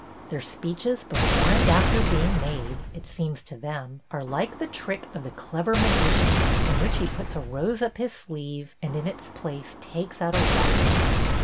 Their speeches before and after being made, it seems to them, are like the trick of the clever magician, in which he puts a rose up his sleeve and in its place takes out a viper.